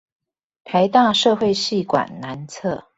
臺大社會系館南側